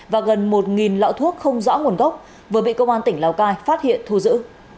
và gần một lọ thuốc không rõ nguồn gốc vừa bị công an tỉnh lào cai phát hiện thu giữ